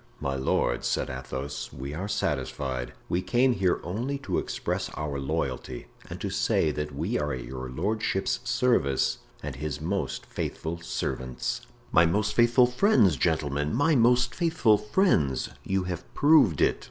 "My lord," said Athos, "we are satisfied; we came here only to express our loyalty and to say that we are at your lordship's service and his most faithful servants." "My most faithful friends, gentlemen, my most faithful friends; you have proved it.